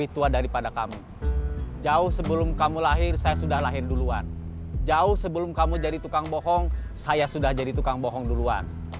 tidak kamu harus jadi tukang bohong duluan